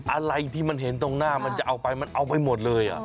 อะไรที่มันเห็นตรงหน้ามันจะเอาไปมันเอาไปหมดเลย